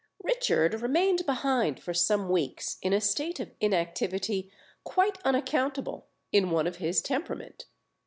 ] Richard remained behind for some weeks in a state of inactivity quite unaccountable in one of his temperament.